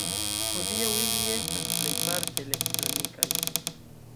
Hodiaŭ ili estas plejparte elektronikaj.